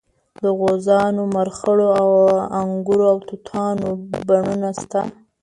د غوزانو مرخڼو انګورو او توتانو بڼونه شته.